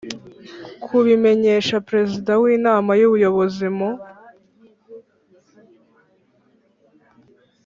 kubimenyesha Perezida w Inama y Ubuyobozi mu